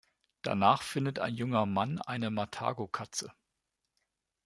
Danach findet ein junger Mann eine Marthago-Katze.